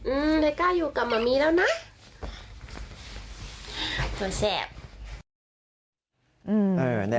อืมไทยกล้าอยู่กับมัมมี่แล้วนะ